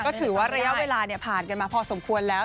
ก็ถือว่าระยะเวลาผ่านกันมาพอสมควรแล้ว